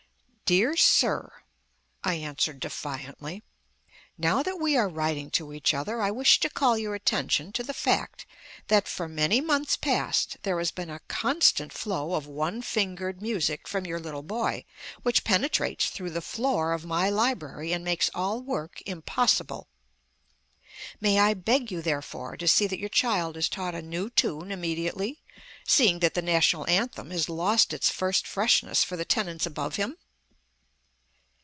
"Dear Sir," I answered defiantly, "Now that we are writing to each other I wish to call your attention to the fact that for many months past there has been a constant flow of one fingered music from your little boy, which penetrates through the floor of my library and makes all work impossible. May I beg you, therefore, to see that your child is taught a new tune immediately, seeing that the National Anthem has lost its first freshness for the tenants above him?"